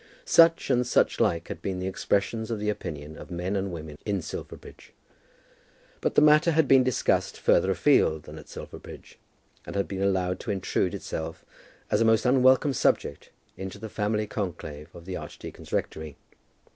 Such and such like had been the expressions of the opinion of men and women in Silverbridge. But the matter had been discussed further afield than at Silverbridge, and had been allowed to intrude itself as a most unwelcome subject into the family conclave of the archdeacon's rectory.